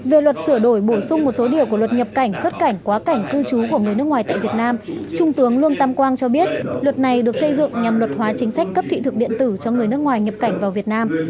về luật sửa đổi bổ sung một số điều của luật nhập cảnh xuất cảnh quá cảnh cư trú của người nước ngoài tại việt nam trung tướng lương tam quang cho biết luật này được xây dựng nhằm luật hóa chính sách cấp thị thực điện tử cho người nước ngoài nhập cảnh vào việt nam